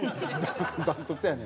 断トツやね。